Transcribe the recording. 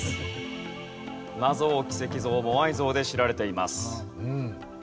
謎多き石像モアイ像で知られています。